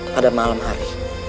pada malam hari